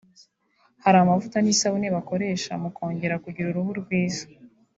hari amavuta n’isabune bakoresha mukongera kugira uruhu rwiza